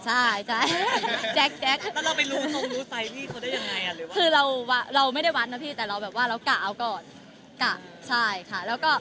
อ่าใช่ใช่แจ๊คแจ๊ค